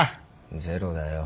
ゼロだよ。